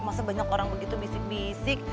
masa banyak orang begitu bisik bisik